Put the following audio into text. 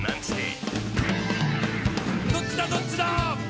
「どっちだどっちだ」